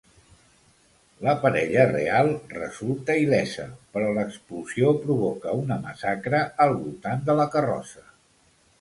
La parella real resulta il·lesa però l'explosió provoca una massacre al voltant de la carrossa.